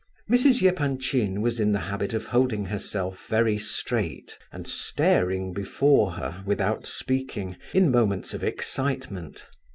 Mrs. Epanchin was in the habit of holding herself very straight, and staring before her, without speaking, in moments of excitement.